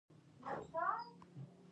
جنګرې مۀ کوئ